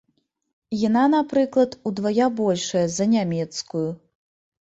Яна, напрыклад, удвая большая за нямецкую.